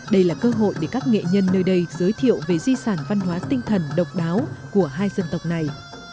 đây là cơ hội để các nghệ nhân nơi đây giới thiệu về di sản văn hóa tinh thần độc đáo của hai dân tộc này